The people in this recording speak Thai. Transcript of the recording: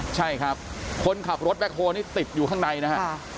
ใช่ครับคนขับรถแบ็คโฮนี่ติดอยู่ข้างในนะฮะ